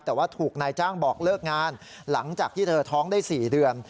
แต่ว่าถูกนายจ้างบอกเลิกงานหลังจากที่เธอท้องได้๔เดือน